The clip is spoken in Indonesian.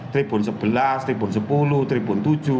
tribun sebelas tribun sepuluh tribun tujuh